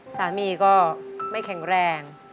สามีก็ไม่แข็งแรง